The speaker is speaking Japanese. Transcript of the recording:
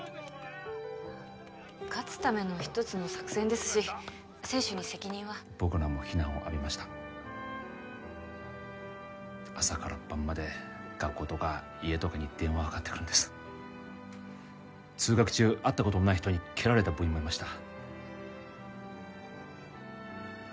勝つための一つの作戦ですし選手に責任は僕らも非難を浴びました朝から晩まで学校とか家とかに電話がかかってくるんです通学中会ったこともない人に蹴られた部員もいました